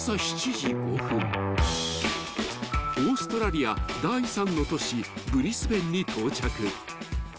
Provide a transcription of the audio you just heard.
［オーストラリア第３の都市ブリスベンに到着］